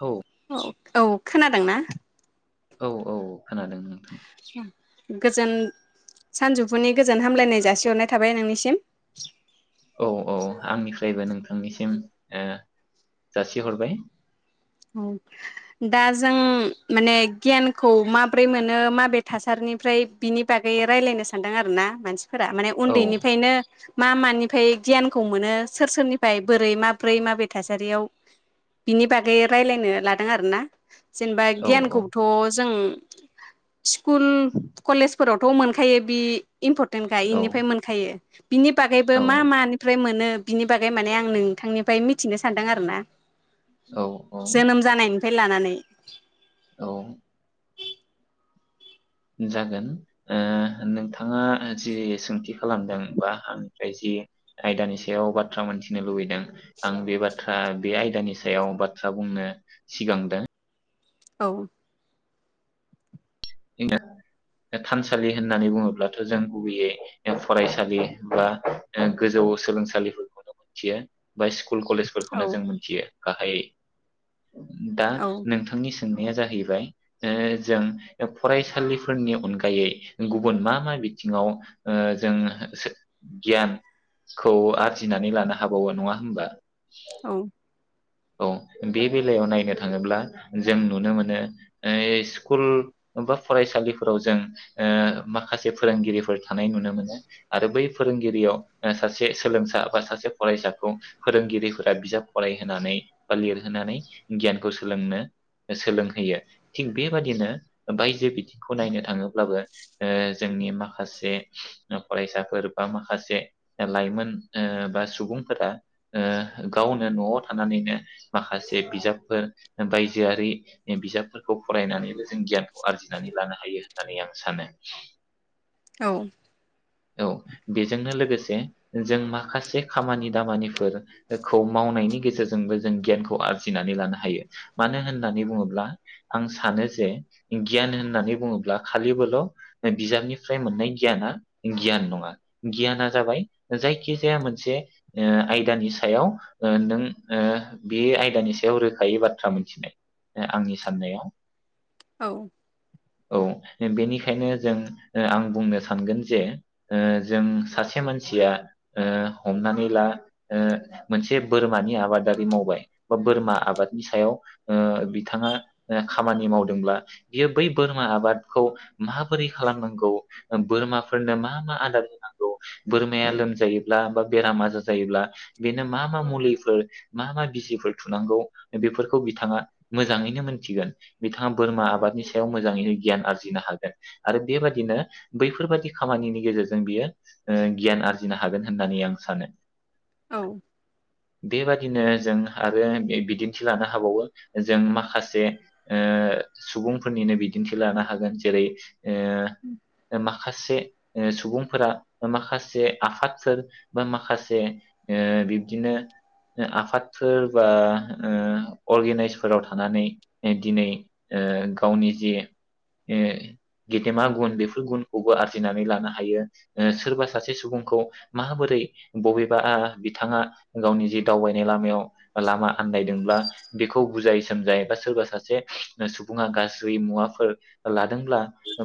औ औ औ खोनादोंना? औ औ खोनादों नोंथां गोजोन सानजौफुनि गोजोन हामलायनाय जासिहरनाय थाबाय नोंनिसिम औ औ आंनिफ्रायबो नोंथांनिसिम ओ जासिहरबाय औ दा जों माने गियानखौ माब्रै मोनो माबे थासारिनिफ्राय बिनि बागै रायज्लायनो सानदों आरो ना मानसि फोरा माने औ उन्दैनिफायनो मा मानिफ्राय गियानखौ मोनो सोर सोरनिफ्राय बोरै माब्रै थासारियाव बिनि बागै बे रायलायनो लादों आरो ना जेनेबा औ औ गियानखौबोथ जों स्कुल कलेजफोरावथ' मोनखायो बि इम्परटेन्टखा औ इनिफ्राय मोनखायो बिनि बागैबो औ मा मा बेनिफ्राय मोनो बिनि बागै माने आं नोंथांनिफ्राय मिथिनो सानदों आरो ना [inaudible] औ जोनोम जानायन फाय लानानै औ जागोन ओ नोंथाङा जि सोंथि खालामदों बा आंनिफ्राय जि आयदानि सायाव बाथ्रा मोनथिनो लुबैदों आं बे बाथ्रा बे आयदानि सायाव बाथ्रा बुंनो सिगांदों औ [unintelligible] थानसालि होननानै बुङोब्लाथ जों गुबैयै फरायसालि बा गोजौ सोलोंसालिफोरखौनो मोनथियो बा सिखु स्कुल औ कलेजफोरखौनो जों मिथियो गाहायै दा औ नोंथांनि सों बेयो जाहैबाय ओ जों फरायसालिफोरनि अनगायै गुबुन मा मा बिथिङाव जों गियान खौ आरजिनानै लानो हाबावो नङा हबा औ औ बे बेलायाव नायनो थाङोब्ला जों नुनो मोनो बा लिरहोनानै गियानखौ सोलोंनो सोलोंहोयो थिग बेबादिनो बायजो बिथिंखौ नायनो थाङोब्लाबो ओ जोंनि माखासे फरायसाफोर बा माखासे लाइमोन ओ बा सुबुंफोरा गावनो न'आव थानानैनो माखासे बिजाबफोर बायजोआरि बिजाबफोरखौ फरायनानैबो जों गियानखौ आरजिनानै लानो हायो होननानै आं सानो औ औ बेजोंनो लोगोसे जों माखासे खामानि दामानिफोरखौ मावनायनि गेजेरजोंबो जों गियानखौ आरजिनानै लानो हायो मानो होननानै बुङोब्ला आं सानो जे गियान होननानै बुङोब्ला खालिबोल बिजाबनिफ्राय मोननाय गियाना गियान नङा गियाना जाबाय जायखिजाया मोनसे आयदानि सायाव ओ नों ओ बे आयदानि सायाव रोखायै बाथ्रा मोनथिनाय आंनि साननायाव औ औ बेनिखायनो जों ओ आं बुंनो सानगोन जे ओ जों सासे मानसिया ओ हमनानै ला ओ मोनसे बोरमानि आबादारि मावबाय बा बोरमा आबादनि सायाव ओ बिथाङा खामानि मावदोंब्ला बियो बै बोरमा आबादखौ माबोरै खालामनांगौ बोरमाफोरनो मा मा आदार होनांगौ बोरमाया लोमजायोब्ला बा बेराम आजाराजायोब्ला बेनो मा मा मुलिफोर मा मा बिजिफोर थुनांगौ बेफोरखौ बिथाङा मोजाङैनो मोनथिगोन बिथाङा बोरमा आबादनि सायाव मोजाङैनो गियान आरजिनो हागोन आरो बेबादिनो बैफोरबादि खामानिनि गेजेरजों ओ बियो गियान आरजिनो हागोन होननानै आं सानो औ बेबायदिनो जों। आरो बिदिन्थि लानो हाबावो जों माखासे ओ सुबुंफोरनिनो बिदिन्थि लानो हागोन जेरै ओ माखासे सुबुंफोरा माखासे आफादफोर बा माखासे ओ बिब्दिनो आफाद। फोरबा ओ अरगेनाइसफोराव थानानै दिनै ओ गावनि जि ओ गेदेमा गुन बेफोर गुनखौबो आरजिनानै लानो हायो ओ सोरबा सासे सुबुंखौ माबोरै बबेबा बिथाङा गावनि जि दावबायनाय लामायाव। लामा आन्दायदोंब्ला बेखौ बुजाय सोमजाय बा सोरबा सासे सुबुङा गाज्रि मुवाफोर लादोंब्ला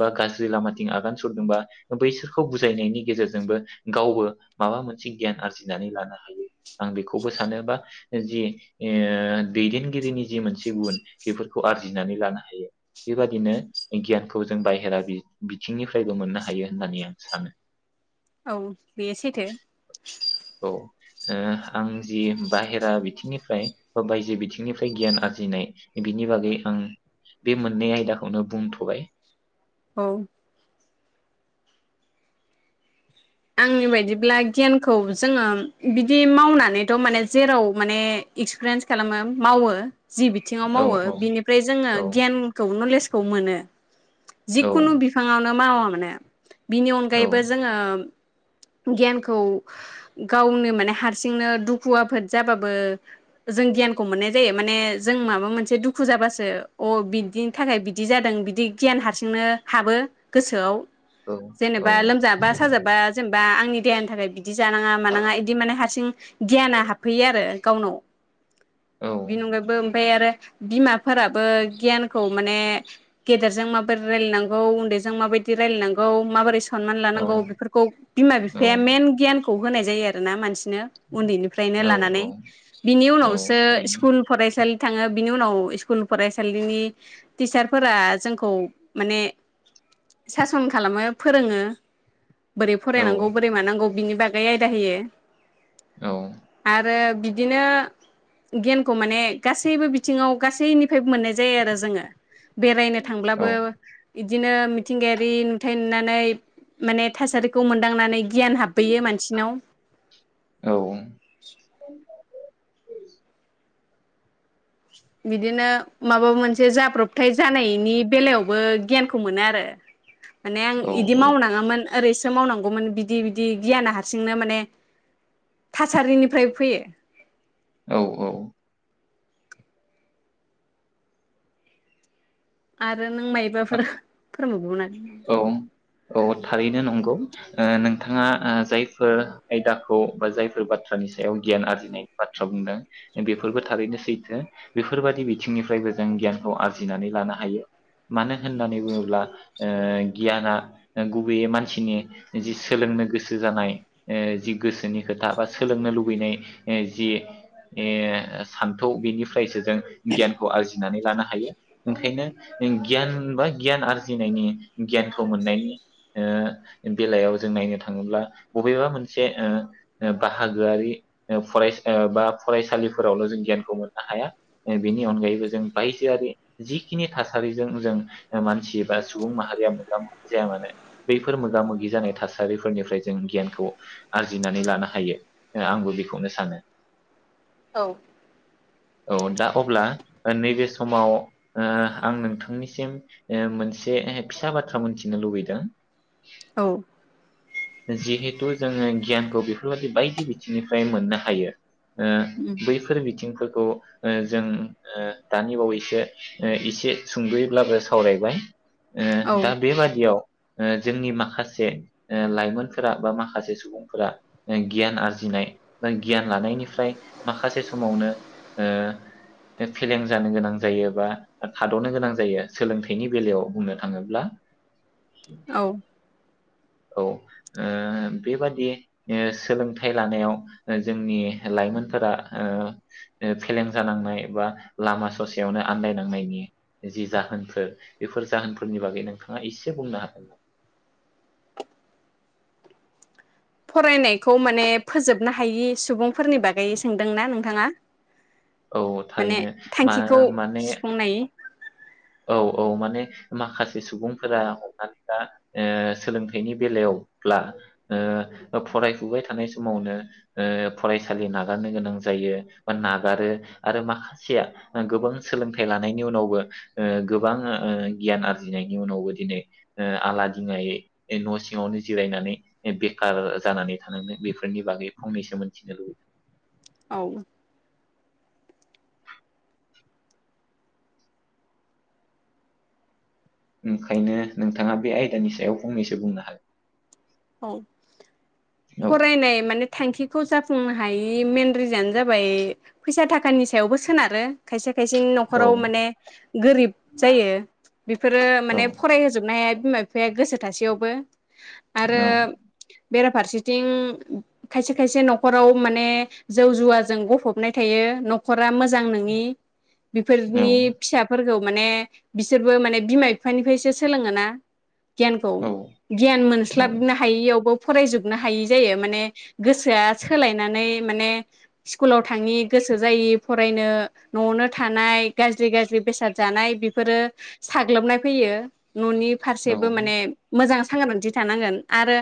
बा गाज्रि लामाथिं आगान सुरदोंबा बैसोरखौ बुजायनायनि गेजेरजोंबो गावबो माबा मोनसे गियान आरजिनानै लानो हायो आं बेखौबो सानोबा जि ओ दैदेनगिरिनि जि मोनसे गुन बेफोरखौ आरजिनानै लानो हायो बेबादिनो गियानखौ जों बायहेरा बिथिंनिफ्रायबो मोननो हायो होननानै आं सानो। औ बेयो सैथो। औ ओ आं जि बाहेरा बिथिंनिफ्राय बा बायजो बिथिंनिफ्राय गियान आरजिनाय बिनि बागै आं बे मोननै आयदाखौनो बुंथबाय। औ। आंनि बायदिब्ला गियानखौ। जोङो बिदि मावनानैथ माने जेराव माने एक्सपिरियेन्स खालामो मावो। जि बिथिङाव औ मावो बिनिफ्राय जोङो औ गियानखौ नलेज खौ मोनो। औ जिखुनु बिफाङाव [unintelligible] बिनि औ अनगायैबो जोङो गियानखौ गावनो माने हारसिंयैनो दुखु आफोद जाबाबो जों गियानखौ गियानखौ मोननाय जायो माने जों माबा मोनसे दुखु जाबासो अ बिदिनि थाखाय बिदि जादों बिदि गियान हारसिंनो हाबो गोसोआव। औ जेनेबा लोमजाबा साजाबा- जेनेबा आंनि देहानि थाखाय बिदि जानाङा मानाङा बिदि माने हारसिं गियाना हाबफैयो आरो गावनाव औ बेनि अनगायैबो आरो बिमाफोराबो गियानखौ माने गेदेरजों माबोरै रायलाय नांगौ उन्दैजों माबायदि रायलाय नांगौ माबोरै सनमान लानांगौ बेफोरखौ बिमा औ बिफाया मेन गियान खौ होनाय जायो आरो ना मानसि नो उन्दैनिफ्रायनो औ लानानै औ बिनि औ उनावसो थारैनो स्कुल फरायसालि थाङो बिनि उनाव स्कुल फरायसालिनि टिचारफोरा जोंखौ माने सासन खालामो फोरोङो औ फरायनांगौ बोरै मानांगौ बिनि बा गै आयदा होयो। औ आरो। बिदिनो गियानखौ माने गासैबो बिथिङाव गासैनिफ्रायबो मोननाय जायो आरो जोङो बेरायनो औ थांब्लाबो बिदिनो मिथिंगायारि नुथाय नुनानै माने थासारि खौ मोनदांनानै गियान हाबबोयो मानसिनाव। औ। [inaudible] बिदिनो माबा मोनसे जाब्रबथाय जानायनि बेलायावबो गियानखौ मोनो आरो। माने आं औ इदि मावनाङामोन ओरैसो मावनांगौमोन बिदि बिदि गियाना हारसिंनो माने थासारिनिफ्राय फैयो औ औ आरो नों माइबाफोर औ औ थारैनो नंगौ ओ नोंथाङा ओ जायफोर आयदाखौ बा जायफोर बाथ्रानि सायाव गियान आरजिनाय बाथ्रा बुंदों बेफोरबो थारैनो सैथो बेफोरबादि बिथिंनिफ्रायबो जों गियानखौ आरजिनानै लानो हायो मानो होननानै बुङोब्ला ओ गियाना गुबैयै मानसिनि जि सोलोंनो गोसो जानाय ओ जि गोसोनि खोथा बा सोलोंनो लुबैनाय जि ओ सान्थौ बेनिफ्रायसो जों गियानखौ आरजि लानो हायो ओंखायनो गियान बा गियान आरजिनायनि गियानखौ मोननायनि ओ बेलायाव जों नायनो थाङोब्ला बबेबा मोनसे ओ ओ बाहागोआरि ओ फरायसा बा फरायसालिफोरावल जों गियानखौ मोननो हाया बेनि अनगायैबो जों बायजोआरि जिखिनि थासारिजों जों ओ मानसि बा जु सुबुं माहारिया मोगा मोगि जाया मानो बैफोर मोगा मोगि जानाय थासारिफोरनिफ्राय जों गियानखौ आरजिनानै लानो हायो ओ आंबो बेखौनो सानो औ औ दा अब्ला नैबे समाव ओ आं ओ नोंथांनिसिम ओ मोनसे ए-ए फिसा बाथ्रा मोनथिनो लुबैदों औ जिहेथु जोङो गियानखौ बेफोरबायदि बायदि बिथिंनिफ्राय मोननो हायो ओ उम बैफोर बिथिंफोरखौ ओ जों ओ दानि बावैसो ओ एसे सुंदयैब्लाबो सावरायबाय औ ओ दा बेबादियाव ओ जोंनि माखासे ओ लाइमोनफोरा बा माखासे सुबुंफोरा गियान आरजिनाय बा गियान लानायनिफ्राय माखासे समावनो ओ फेलें जानो गोनां जायो बा थादनो गोनां जायो सोलोंथाइनि बेलायाव बुंनो थाङोब्ला [inaudible] औ औ ओ बेबादि सोलोंथाइ लानायाव जोंनि लाइमोनफोरा ओ फेलें जानांनाय बा लामा ससेयावनो आन्दायनांनायनि जि जाहोनफोर बेफोर जाहोनफोरनि बागै नोंथाङा एसे बुंनो हागोन नामा फरायनायखौ माने फोजोबनो हायि सुबुंफोरनि बागै सोंदोंना नोंथाङा औ माने थारैनो मा थांखिखौ माने सुफुंनाय औ औ माने माखासे सुबुंफोरा हमनानै दा ओ सोलोंथाइनि बेलायावब्ला ओ फरायफुबाय थानाय समावनो ओ फरायसालि नागारनो गोनां जायो बा नागारो आरो माखासेया गोबां सोलोंथाइ लानायनि उनावबो ओ गोबां ओ गियान आरजिनायनि उनावबो दिनै ओ आलादिङायै न सिङावनो जिरायनानै बेखार जानानै थानांदों बेफोरनि बागै फंनैसो मोनथिनो लुबैदों औ ओंखायनो नोंथाङा बे आयदानि सायाव फंनैसो बुंनो हागोन औ फरायनाय माने थांखिखौ जाफुंनो हायि मेन रिजनानो जाबाय फैसा थाखानि सायावबो सोनारो खायसे खायसेनि औ नखराव माने गोरिब जायो बेफोरो माने औ फरायहोजोबनो हाया बिमा बिफाया गोसो थासेयावबो औ आरो बेराफारसेथिं खायसे खायसे नखराव माने जौ जुवाजों गफबना थायो नखरा मोजां नङि बेफोरनि औ फिसाफोरखौ माने बिसोरबो माने बिमा बिफानिफ्रायसो सोलोङोना गियानखौ औ गियान मोनस्ला हायियावबो फरायजोबनो हायि जायो माने गोसोआ सोलायनानै माने स्कुलाव थाङि गोसो जायि फरायनो नआवनो थानाय गाज्रि गाज्रि बेसाद जानाय बेफोरो साग्लोबनाय फैयो ननि औ फारसेबो माने मोजां सांग्रांथि थानांगोन आरो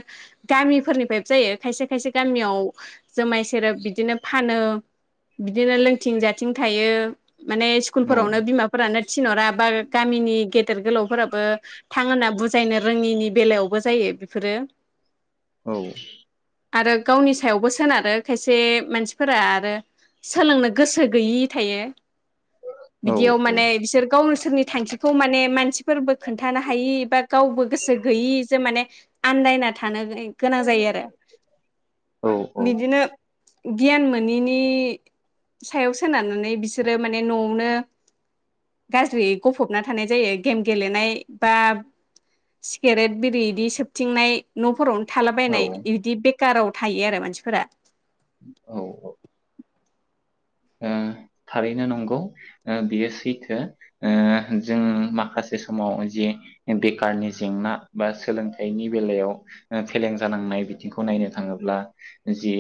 गामिफोरनिफ्रायबो जायो खायसे खायसे गामियाव जुमाय सेरेब बिदिनो फानो बिदिनो लोंथिं जाथिं थायो माने स्कुलफोरावनो बिमाफोरानो थिनहरा बा गामिनि गेदेर गोलावफोराबो थां होनना बुजायनो रोङिनि बेलायाव बो जायो बेफोरो। औ। आरो गावनि सायावबो सोनारो खायसे मानसिफोरा आरो सोलोंनो गोसो गैयि थायो। औ बिदियाव माने बिसोर गावनोस सोरनि थांखिखौ माने मानसिफोरबो खोन्थानो हायि बा गावबो गोसो गैयि जों माने आन्दायना थानो गोय गोनां जायो आरो। बिदिनो गियान मोनिनि सायाव सोनारनानै बिसोरो माने नआवनो गाज्रियै गफबना थानाय जायो गेम गेलेनाय बा सिगारेट बिरि इदि सोबथिंनाय नफोरावनो औ थालाबायनाय इदि बे काराव थायो आरो मानसिफोरा। औ औ। ओ थारैनो नंगौ ओ बियो सैथो ओ जों माखासे समाव जि बेखारनि जेंना बा सोलोंथाइनि बेलायाव ओ फेलें जानांनाय बिथिंखौ नायनो थाङोब्ला जि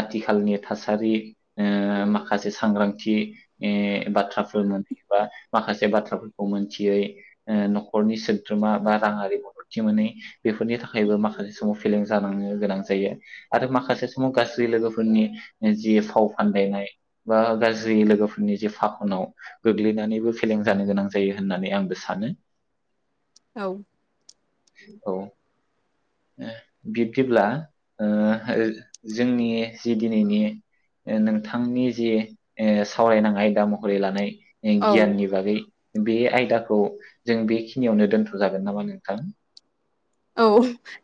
आथिखालनि थासारि ओ माखासे सांग्रां थि ओ बाथ्राफोरमोन बा माखासे बाथ्राफोरखौ मोनथियै ओ न'खरनि सोद्रोमा बा राङारि मददथि मोनै बेफोरनि थाखायबो माखासे समाव फेलें जानांनो गोनां जायो आरो माखासे समाव गाज्रि लोगोफोरनि जि फाव फान्दायनाय बा गाज जि लोगोफोरनि जे फाखनाव गोग्लैनानैबो फेलें जानो गोनां जायो होननानै आंबो सानो। औ। औ। ओ बिब्दिब्ला ओ ओ जोंनि जि दिनैनि ओ नोंथांनि जि ओ सावरायनां आयदा महरै लानाय ओ औ गियाननि बागै बे आयदाखौ जों बेखिनियावनो दोनथ'जागोन नामा नोंथां? औ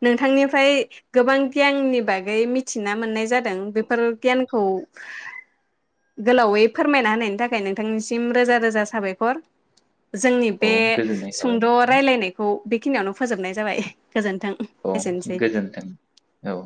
नोंथांनिफ्राय गोबां गियाननि बागै मिथिना मोननाय जादों बेफोर गियानखौ गोलावै फोरमायना होनायनि थाखाय नोंथांनिसिम रोजा रोजा साबायखर। जोंनि बे औ गोजोननाय थाबाय सुंद' रायलायनायखौ बे खिनियावनो फोजोबनाय जाबाय। गोजोन्थों औ एसेनोसै गोजोनथों औ।